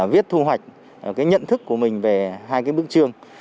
viết thu hoạch nhận thức của mình về hai bức trương